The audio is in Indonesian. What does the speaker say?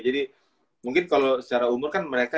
jadi mungkin kalau secara umur kan mereka